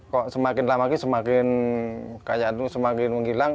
kok semakin lama lagi semakin kaya itu semakin menghilang